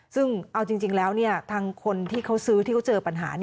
ซึ่งเอาจริงแล้วทางคนที่เขาซื้อที่เขาเจอปัญหา